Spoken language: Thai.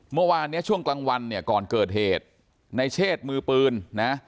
เมื่อวานเนี้ยช่วงกลางวันเนี่ยก่อนเกิดเหตุในเชศมือปืนนะ